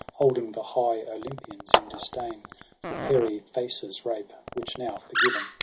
Holding the high Olympians in disdain For Persephassa's rape j which now forgiven.